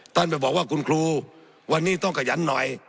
ไปบอกว่าคุณครูวันนี้ต้องขยันหน่อย